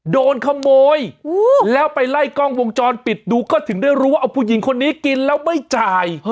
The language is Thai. โดนขโมยแล้วไปไล่กล้องวงจรปิดดูก็ถึงได้รู้ว่าเอาผู้หญิงคนนี้กินแล้วไม่จ่าย